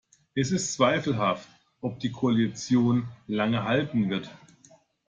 Es ist zweifelhaft, ob die Koalition lange halten wird.